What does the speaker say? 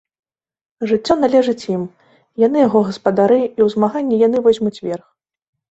Жыццё належыць ім, яны яго гаспадары і ў змаганні яны возьмуць верх.